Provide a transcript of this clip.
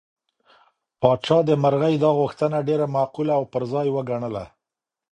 پاچا د مرغۍ دا غوښتنه ډېره معقوله او پر ځای وګڼله.